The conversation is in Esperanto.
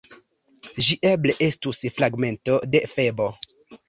Ĝi eble estus fragmento de Febo.